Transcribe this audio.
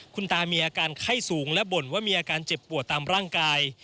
คุณตามีอาการไข้สูงและบ่นว่ามีอาการเจ็บปวดตามร่างกาย